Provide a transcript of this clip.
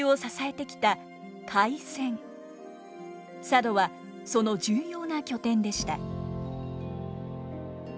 佐渡はその重要な拠点でした。